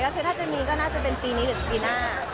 คือถ้าจะมีก็น่าจะเป็นปีนี้หรือปีหน้า